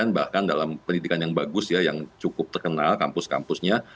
bahkan dalam pendidikan yang bagus ya yang cukup terkenal kampus kampusnya